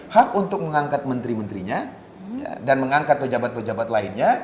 hak untuk mengangkat menteri menterinya dan mengangkat pejabat pejabat lainnya